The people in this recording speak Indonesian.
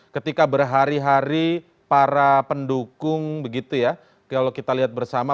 ketika berhari hari para pendukung begitu ya kalau kita lihat bersama